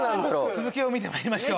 続きを見てまいりましょう。